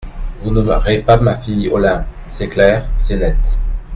Vous n’aurez pas ma fille Olympe, c’est clair, c’est net…